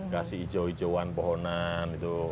kasih hijau hijauan pohonan